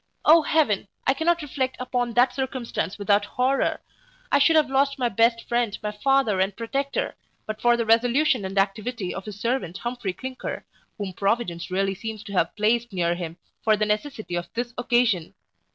O Heaven, I cannot reflect upon that circumstance without horror I should have lost my best friend, my father and protector, but for the resolution and activity of his servant Humphry Clinker, whom Providence really seems to have placed near him for the necessity of this occasion.